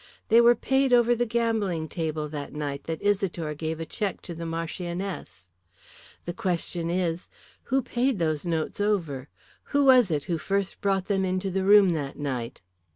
They were paid over the gambling table that night that Isidore gave a cheque to the Marchioness. The question is, who paid those notes over, who was it who first brought them into the room that night?"